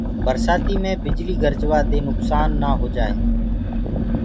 برسآتيٚ مينٚ بِجليٚ گرجوآ دي نُڪسآن نآ هوجآئي۔